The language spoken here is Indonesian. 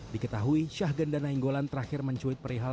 diketahui syahgan danenggolan terakhir mencuit perihal